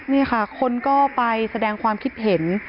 นี่ค่ะคนก็ไปแสดงความคิดเห็น